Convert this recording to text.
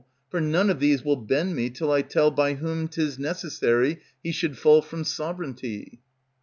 For none of these will bend me till I tell By whom 't is necessary he should fall from sovereignty.